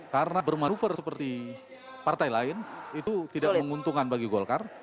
karena bermanoeuvre seperti partai lain itu tidak menguntungkan bagi golkar